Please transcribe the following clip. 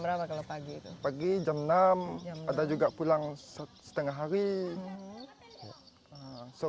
masa hai itu pagi enam ada juga pulang setengah hari clutter juga ikannya apa onu